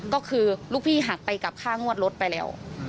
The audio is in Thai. ก็คือลูกพี่หักไปกับค่างวดรถไปแล้ว